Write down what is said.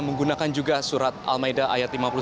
menggunakan juga surat al maida ayat lima puluh satu